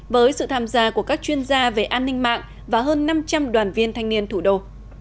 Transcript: với sự tham gia của các chuyên gia về an ninh mạng và hơn năm trăm linh đoàn viên thanh niên thủ đô